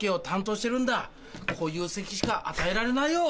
こういう席しか与えられないよ。